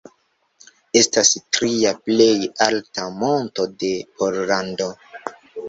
Estas tria plej alta monto de Pollando.